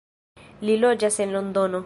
Li loĝas en Londono.